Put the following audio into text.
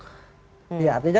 ya artinya itu yang kemudian